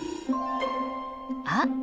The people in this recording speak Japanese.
あ！